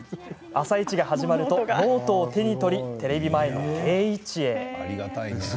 「あさイチ」が始まるとノートを手に取りテレビ前の定位置へ。